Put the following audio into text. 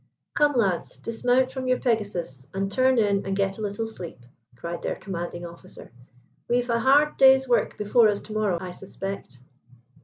"Come, lads, dismount from your Pegasus, and turn in and get a little sleep," cried their commanding officer; "we've a hard day's work before us to morrow, I suspect."